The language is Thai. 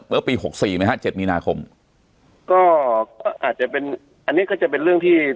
เมื่อปีหกสี่ไหมฮะเจ็ดมีนาคมก็ก็อาจจะเป็นอันนี้ก็จะเป็นเรื่องที่